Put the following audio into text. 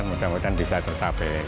mudah mudahan bisa tetap